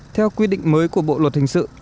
theo quyết định mới của bộ luật hình sự